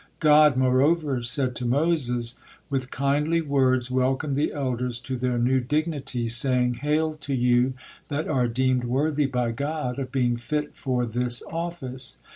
God moreover said to Moses: "With kindly words welcome the elders to their new dignity, saying, 'Hail to you that are deemed worthy by God of being fit for this office.'